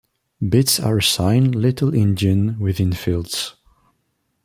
Bits are assigned little-endian within fields.